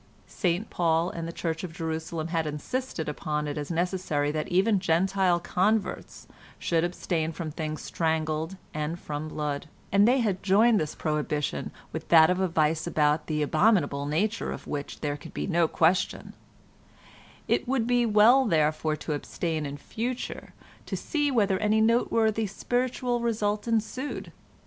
St Paul and the Church of Jerusalem had insisted upon it as necessary that even Gentile converts should abstain from things strangled and from blood, and they had joined this prohibition with that of a vice about the abominable nature of which there could be no question; it would be well therefore to abstain in future and see whether any noteworthy spiritual result ensued.